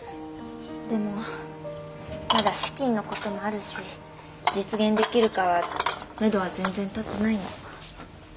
でもまだ資金の事もあるし実現できるかはめどは全然立ってないの。